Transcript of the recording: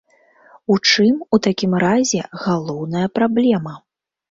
У чым, у такім разе, галоўная праблема?